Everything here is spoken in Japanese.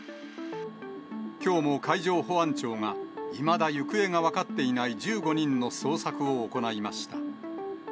きょうも海上保安庁がいまだ行方が分かっていない１５人の捜索を行いました。